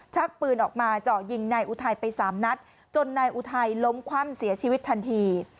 ชักปืนออกมาเจาะยิงนายอุทัยไปสามนัดจนนายอุทัยล้มคว่ำเสียชีวิตทันที